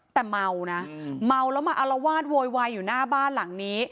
แต่เมานะเมาแล้วมาอารวาสโวยวายอยู่หน้าบ้านหลังนี้